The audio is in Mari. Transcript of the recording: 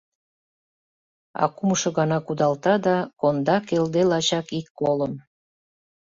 А кумшо гана кудалта да Конда келде лачак ик колым